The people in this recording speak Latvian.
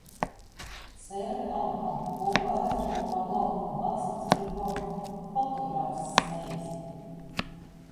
Serve autā, bumba aizripo pār laukumu, atsitas pret bortu. Fotogrāfs smejas.